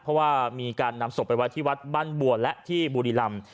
เพราะว่ามีการนำศพไปไว้ที่วัดบ้านบัวและที่บุรีรำ